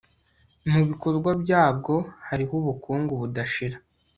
mu bikorwa byabwo harimo ubukungu budashira